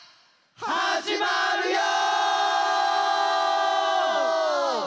始まるよ！